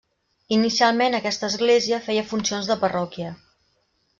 Inicialment aquesta església feia funcions de parròquia.